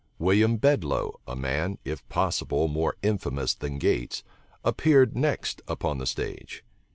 William Bedloe, a man, if possible, more infamous than Gates, appeared next upon the stage.